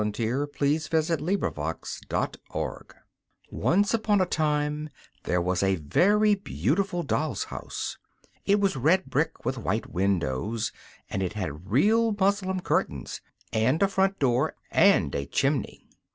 W., the Little Girl Who Had the Doll's House] Once upon a time there was a very beautiful doll's house; it was red brick with white windows, and it had real muslin curtains and a front door and a chimney.